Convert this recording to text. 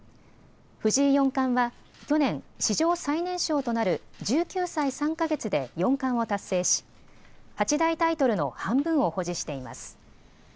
藤井四冠は去年、史上最年少となる１９歳３か月で四冠を達成し八大タイトルの半分を保持しています。